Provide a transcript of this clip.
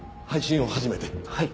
はい。